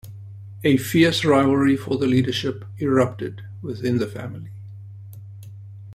A fierce rivalry for the leadership erupted within the family.